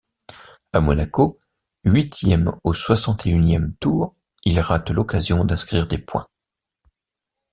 À Monaco, huitième au soixante-et-unième tour, il rate l'occasion d'inscrire des points.